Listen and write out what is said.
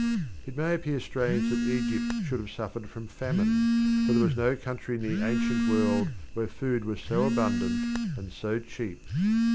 It may appear strange that Egypt should have suffered from famine, for there was no country in the ancient world where food was so abundant and so cheap.